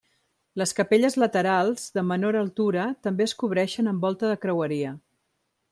Les capelles laterals, de menor altura, també es cobreixen amb volta de creueria.